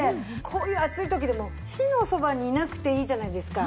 こういう暑い時でも火のそばにいなくていいじゃないですか。